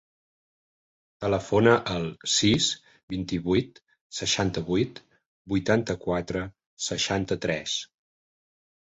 Telefona al sis, vint-i-vuit, seixanta-vuit, vuitanta-quatre, seixanta-tres.